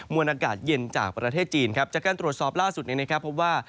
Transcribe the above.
วนอากาศเย็นจากประเทศจีนครับจากการตรวจสอบล่าสุดนี้นะครับพบว่า